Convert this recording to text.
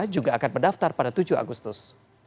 juga akan mendaftar pada tujuh agustus